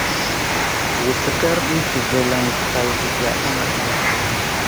Wutskar ɗi təveleŋge hay dəga anaha.